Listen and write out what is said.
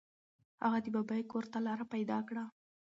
هغه د ببۍ کور ته لاره پیدا کړه.